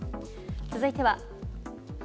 続いては。